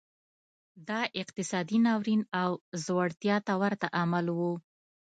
دا اقتصادي ناورین او ځوړتیا ته ورته عمل و.